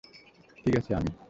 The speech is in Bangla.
ঠিক আছি, আমি।